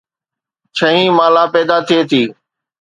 ڇهين مالا پيدا ٿئي ٿي